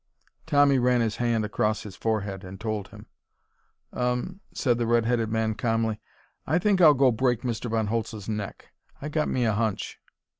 Tommy ran his hand across his forehead, and told him. "Um," said the red headed man calmly. "I think I'll go break Mr. Von Holtz's neck. I got me a hunch."